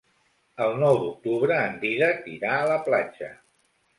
El nou d'octubre en Dídac irà a la platja.